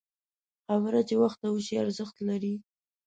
خبره چې وخته وشي، ارزښت لري